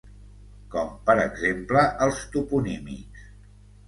Com per exemple els toponímics.